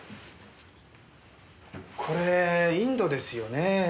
これインドですよね？